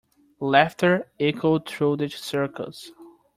Laughter echoed through the circus.